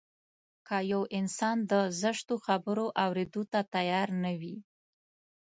که يو انسان د زشتو خبرو اورېدو ته تيار نه وي.